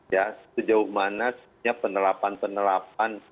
ya sejauh mana sebenarnya penerapan penerapan